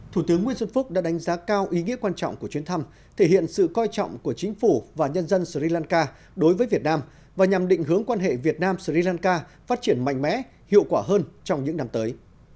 thủ tướng nguyễn xuân phúc đã đánh giá cao ý nghĩa quan trọng của chuyến thăm thể hiện sự coi trọng của chính phủ và nhân dân sri lanka đối với việt nam và nhằm định hướng quan hệ việt nam sri lanka phát triển mạnh mẽ hiệu quả hơn trong những năm tới